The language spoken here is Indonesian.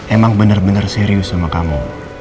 emang bener bener serius sama kamu